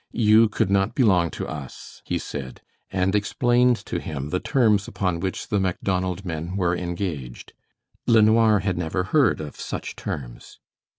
"You could not belong to us," he said, and explained to him the terms upon which the Macdonald men were engaged. LeNoir had never heard of such terms.